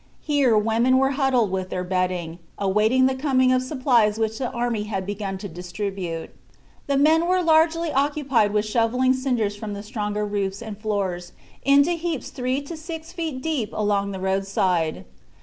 Here women were huddled with their bedding, awaiting the coming of supplies which the army had begun to distribute. The men were largely occupied with shoveling cinders from the stronger roofs and floors into heaps three to six feet deep along the roadside.